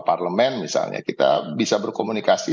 parlemen misalnya kita bisa berkomunikasi